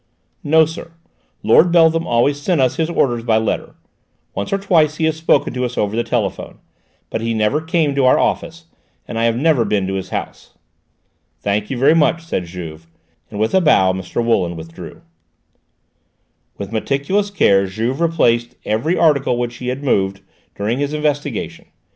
"No, sir: Lord Beltham always sent us his orders by letter; once or twice he has spoken to us over the telephone, but he never came to our office, and I have never been to his house." "Thank you very much," said Juve, and with a bow Mr. Wooland withdrew. With meticulous care Juve replaced every article which he had moved during his investigations.